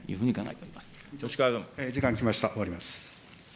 終わります。